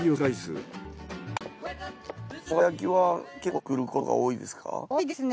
生姜焼きは結構作ることが多いですか？